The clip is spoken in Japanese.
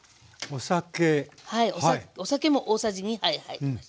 はいお酒も大さじ２杯入ります。